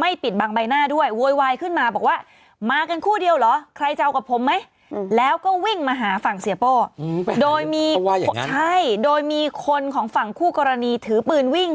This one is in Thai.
ไม่เป็นไรสมัยก่อนทำคดีก็ไม่มีกล้องก็ทำได้